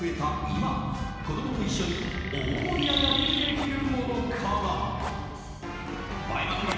今子供と一緒に大盛り上がりできるものから映えまくり